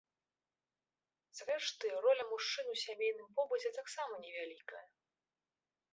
Зрэшты, роля мужчын у сямейным побыце таксама невялікая.